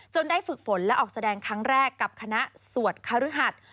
ได้ฝึกฝนและออกแสดงครั้งแรกกับคณะสวดคฤหัส